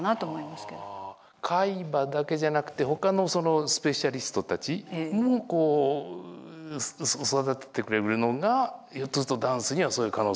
海馬だけじゃなくて他のスペシャリストたちもこう育ててくれるのがひょっとするとダンスにはそういう可能性がある。